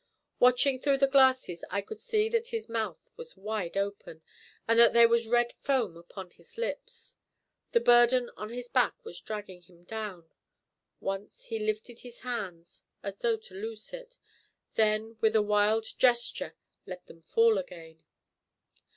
Watching through the glasses I could see that his mouth was wide open, and that there was red foam upon his lips. The burden on his back was dragging him down. Once he lifted his hands as though to loose it; then with a wild gesture let them fall again.